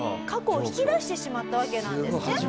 過去を引き出してしまったわけなんですね。